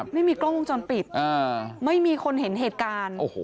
ไม่มีกล้องวงจรปิดไม่มีคนเห็นเหตุการณ์